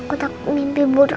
aku takut mimpi buah buahan